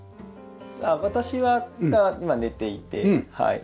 私が今寝ていてはい。